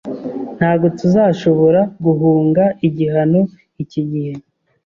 Ntabwo tuzashobora guhunga igihano iki gihe